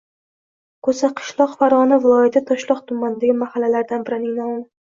Ko‘saqishloq - Farg‘ona viloyati Toshloq tumanidagi mahallalardan birining nomi.